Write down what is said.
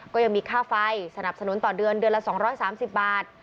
ก็ยังมีค่าไฟสนับสนุนต่อเดือนเดือนละ๒๓๐บาท